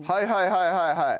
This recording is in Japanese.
はいはいはい！